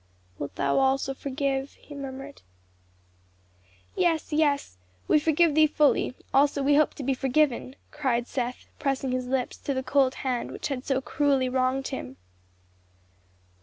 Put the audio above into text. "Wilt thou also forgive?" he murmured. "Yes yes. We forgive thee fully, as also we hope to be forgiven," cried Seth, pressing his lips to the cold hand which had so cruelly wronged him.